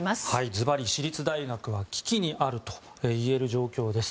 ずばり私立大学は危機にあるといえる状況です。